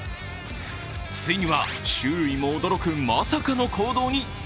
ついには周囲も驚く、まさかの行動に。